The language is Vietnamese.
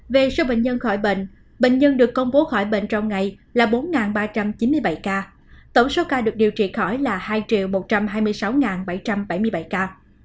về số bệnh nhân khỏi bệnh bệnh nhân được công bố khỏi bệnh trong ngày là bốn ba trăm chín mươi bảy ca tổng số ca được điều trị khỏi là hai một trăm hai mươi sáu bảy trăm bảy mươi bảy ca